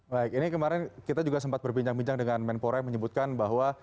baik ini kemarin kita juga sempat berbincang bincang dengan menpora yang menyebutkan bahwa